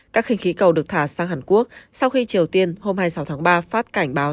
các khinh khí cầu được thả sang hàn quốc sau khi triều tiên hôm hai mươi sáu tháng ba phát cảnh báo